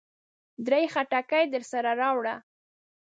درې خټکي درسره راوړه.